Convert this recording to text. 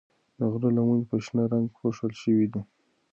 د غرو لمنې په شنه رنګ پوښل شوې دي.